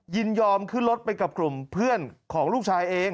ยินยอมขึ้นรถไปกับกลุ่มเพื่อนของลูกชายเอง